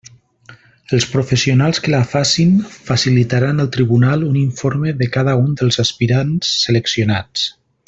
Els professionals que la facin facilitaran al tribunal un informe de cada un dels aspirants seleccionats.